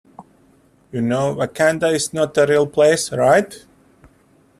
You know Wakanda is not a real place, right?